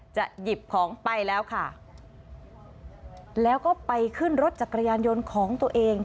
หยิบของไปแล้วค่ะแล้วก็ไปขึ้นรถจักรยานยนต์ของตัวเอง